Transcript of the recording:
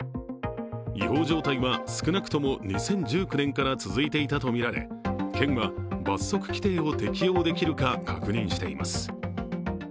違法状態は少なくとも２０１９年から続いていたとみられ、県は罰則規定を適用できるか確認しています。